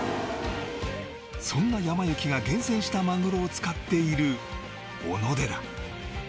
そんなやま幸が厳選したマグロを使っているおのでら